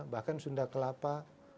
bahkan sunda kelapa